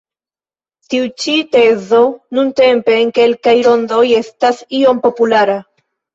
Tiu ĉi tezo nuntempe en kelkaj rondoj estas iom populara.